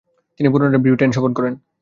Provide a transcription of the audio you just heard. তিনি পুনরায় ব্রিটেন সফর করেন।